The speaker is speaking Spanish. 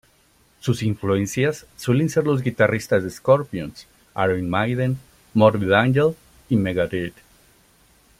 Sus influencias suelen ser los guitarristas de Scorpions, Iron Maiden, Morbid Angel, y Megadeth.